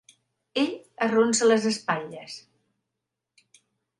Ell arronsa les espatlles.